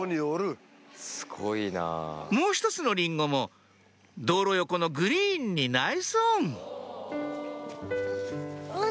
もう１つのリンゴも道路横のグリーンにナイスオン！